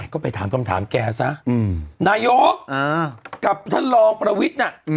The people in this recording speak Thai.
ก็ไปถามคำถามแกซะนายกกับท่านรองประวิทย์น่ะ